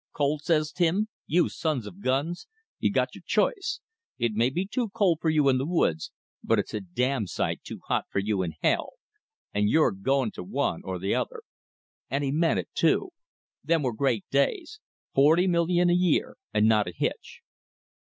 'Cold,' says Tim, 'you sons of guns! You got your ch'ice. It may be too cold for you in the woods, but it's a damm sight too hot fer you in hell, an' you're going to one or the other!' And he meant it too. Them was great days! Forty million a year, and not a hitch."